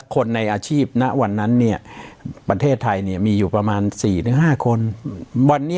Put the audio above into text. คนในอาชีพณวันนั้นประเทศไทยมีอยู่ประมาณ๔๕คน